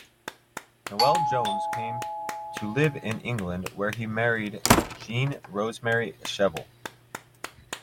Noel Jones came to live in England, where he married Jean Rosemary Cheval.